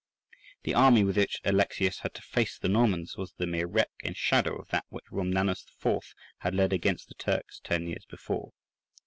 The army with which Alexius had to face the Normans was the mere wreck and shadow of that which Romanus IV. had led against the Turks ten years before.